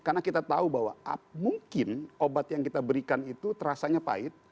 karena kita tahu bahwa mungkin obat yang kita berikan itu rasanya pahit